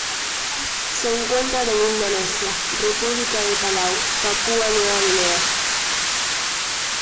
Se encuentran en Indonesia, República de Palau, Papúa Nueva Guinea.